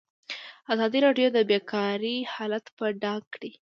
ازادي راډیو د بیکاري حالت په ډاګه کړی.